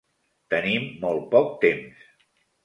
Tenim molt poc temps.